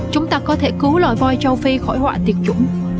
chúng ta có thể cứu loài voi châu phi khỏi họa tiệc chủng